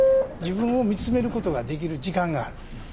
自分を見つめることができる時間がある。